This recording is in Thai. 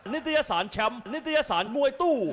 นิตยสารแชมป์นิตยสารมวยตู้